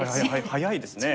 早いですね。